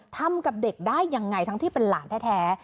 ทำกับเด็กได้ยังไงทั้งที่เป็นหลานแท้